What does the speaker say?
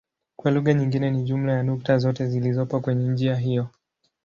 Kwa lugha nyingine ni jumla ya nukta zote zilizopo kwenye njia hiyo.